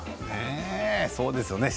そうですよね。